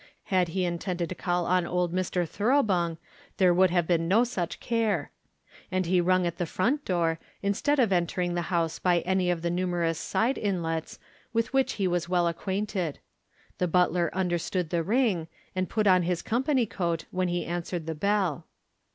Had he intended to call on old Mr. Thoroughbung there would have been no such care. And he rung at the front door, instead of entering the house by any of the numerous side inlets with which he was well acquainted. The butler understood the ring, and put on his company coat when he answered the bell.